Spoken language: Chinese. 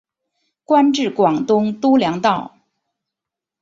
官至广东督粮道。